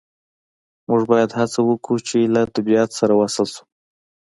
موږ باید هڅه وکړو چې له طبیعت سره وصل شو